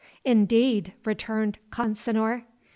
"Indeed?" returned Consinor.